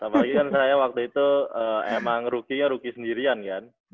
apalagi kan saya waktu itu emang rookie nya rookie sendirian kan